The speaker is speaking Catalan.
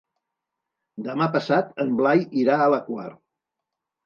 Demà passat en Blai irà a la Quar.